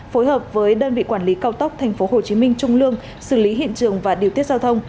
phối hợp với đơn vị quản lý cao tốc tp hcm trung lương xử lý hiện trường và điều tiết giao thông